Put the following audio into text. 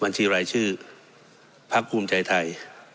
บัญชีแหลชชื่อภาคกุ้มใจไทย